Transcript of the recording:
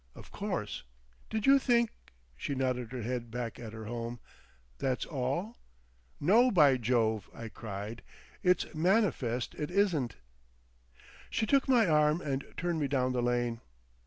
Of course. Did you think"—she nodded her head back at her home—"that's all?" "No, by Jove!" I cried; "it's manifest it isn't." She took my arm and turned me down the lane.